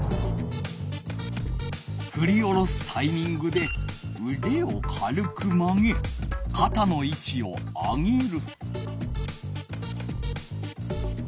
ふり下ろすタイミングでうでを軽く曲げかたのいちを上げる。